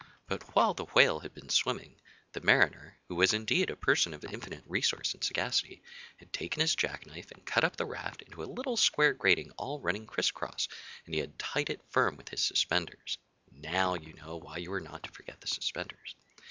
But while the Whale had been swimming, the Mariner, who was indeed a person of infinite resource and sagacity, had taken his jack knife and cut up the raft into a little square grating all running criss cross, and he had tied it firm with his suspenders (now, you know why you were not to forget the suspenders!)